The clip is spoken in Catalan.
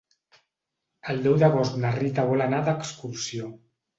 El deu d'agost na Rita vol anar d'excursió.